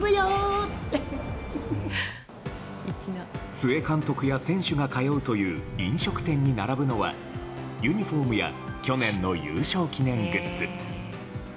須江監督や選手が通うという飲食店に並ぶのはユニホームや去年の優勝記念グッズ。